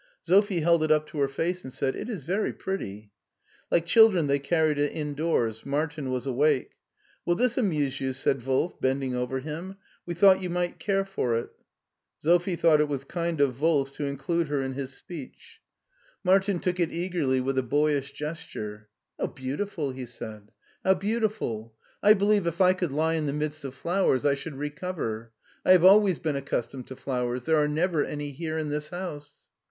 Sophie held it up to her face and said :" It is very pretty." Like children they carried it indoors. Martin was awake. "Will this amuse you?" said Wolf, bending over him; " we thought you might care for it" Sophie thought it was kind of Wolf to indude her in his speech. SCHWARZWALD 291 Martin took it eagerly with a boyish gesture. " How beautiful," he said, "how beautiful. I believe if I could lie in the midst of flowers I should recover. I have always been accustomed to flowers. There arc never any here in this house."